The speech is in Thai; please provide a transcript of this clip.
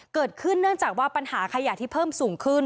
เนื่องจากว่าปัญหาขยะที่เพิ่มสูงขึ้น